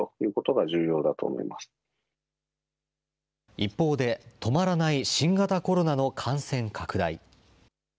一方で止まらない新型コロナの感染拡大。